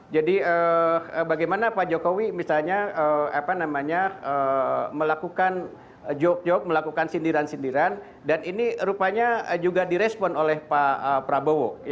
jadi bagaimana pak jokowi misalnya melakukan jog jog melakukan sindiran sindiran dan ini rupanya juga direspon oleh pak prabowo